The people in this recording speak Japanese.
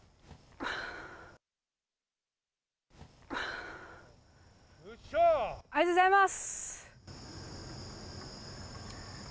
ありがとうございます。